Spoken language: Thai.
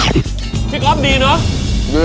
พี่ก๊อฟดีเนอะ